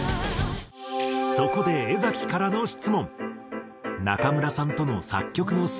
そこで江からの質問。